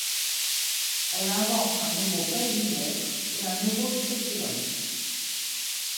Elle invente un nouveau pelvimètre et un nouveau spéculum.